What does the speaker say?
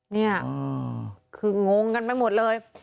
นี่คืองงกันไปหมดเลย